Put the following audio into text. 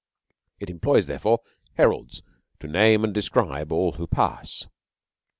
It employs, therefore, heralds to name and describe all who pass.